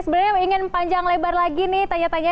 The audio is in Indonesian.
sebenarnya ingin panjang lebar lagi nih tanya tanya